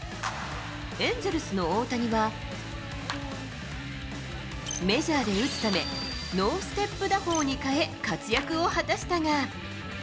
エンゼルスの大谷は、メジャーで打つため、ノーステップ打法に変え、活躍を果たしたが。